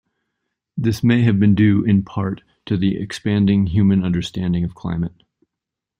This may have been due, in part, to the expanding human understanding of climate.